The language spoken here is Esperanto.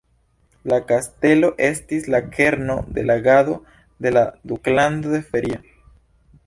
La kastelo estis la kerno de la agado de la Duklando de Feria.